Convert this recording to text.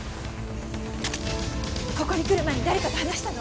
ここに来る前に誰かと話したの？